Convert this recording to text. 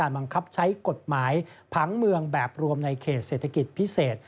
บังคับใช้กฎหมายผังเมืองแบบรวมในเขตเศรษฐกิจพิเศษ